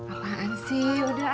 apaan sih udah